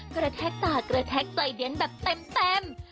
กระแทกตากระแทกใจเย็นแบบเต็ม